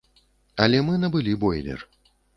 Але мы набылі бойлер.